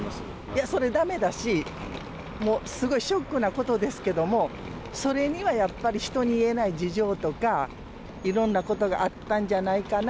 いや、それだめだし、もう、すごいショックなことですけども、それにはやっぱり人に言えない事情とか、いろんなことがあったんじゃないかな。